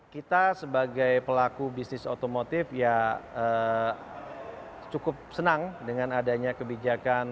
kita sebagai pelaku bisnis otomotif ya cukup senang dengan adanya kebijakan